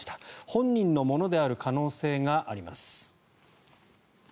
本人のものである可能性があります。